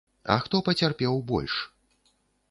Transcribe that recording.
А хто пацярпеў больш?